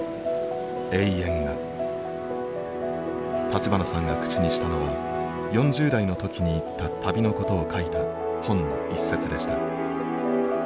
立花さんが口にしたのは４０代の時に行った旅のことを書いた本の一節でした。